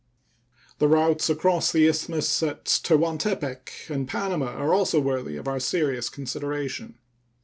The routes across the Isthmus at Tehuantepec and Panama are also worthy of our serious consideration..